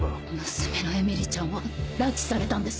娘のえみりちゃんを拉致されたんです。